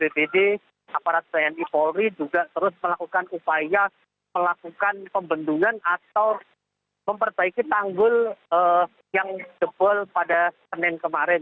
bpd aparat tni polri juga terus melakukan upaya melakukan pembendungan atau memperbaiki tanggul yang jebol pada senin kemarin